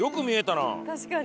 確かに。